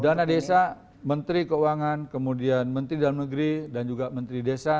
dana desa menteri keuangan kemudian menteri dalam negeri dan juga menteri desa